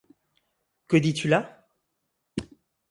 Que dis-tu là?